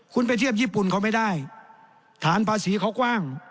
คุณไปเทียบญี่ปุ่นเขาไม่ได้ฐานภาษีเขากว้าง